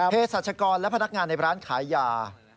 เพศรัชกรและพนักงานในร้านขายยา